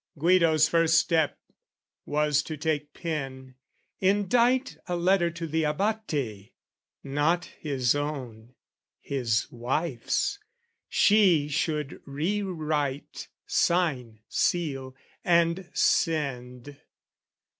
Guido's first step was to take pen, indite A letter to the Abate, not his own, His wife's, she should re write, sign, seal, and send.